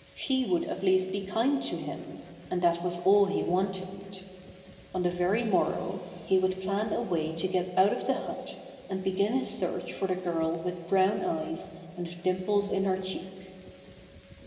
She would at least be kind to him, and that was all he wanted. On the very morrow he would plan a way to get out of the hut and begin his search for the girl with brown eyes and dimples in her cheek.